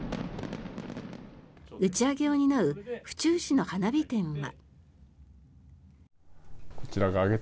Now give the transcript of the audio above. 打ち上げを担う府中市の花火店は。